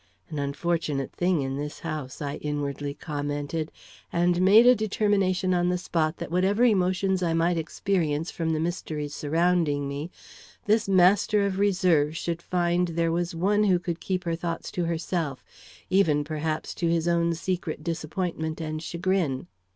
"An unfortunate thing in this house," I inwardly commented, and made a determination on the spot that whatever emotions I might experience from the mysteries surrounding me, this master of reserve should find there was one who could keep her thoughts to herself, even, perhaps, to his own secret disappointment and chagrin.